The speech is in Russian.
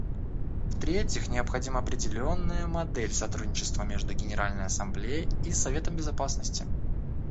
Втретьих, необходима определенная модель сотрудничества между Генеральной Ассамблеей и Советом Безопасности.